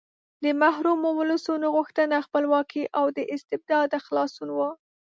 د محرومو ولسونو غوښتنه خپلواکي او له استبداده خلاصون و.